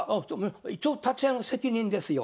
一応立会の責任ですよ。